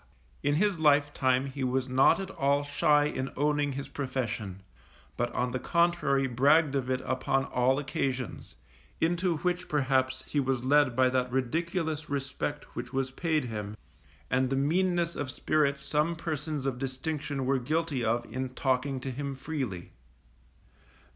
In his life time he was not at all shy in owning his profession, but on the contrary bragged of it upon all occasions; into which perhaps he was led by that ridiculous respect which was paid him, and the meanness of spirit some persons of distinction were guilty of in talking to him freely.